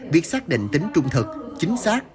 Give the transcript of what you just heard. việc xác định tính trung thực chính xác